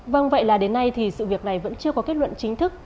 vâng vậy là đến nay thì sự việc này vẫn chưa có kết luận chính thức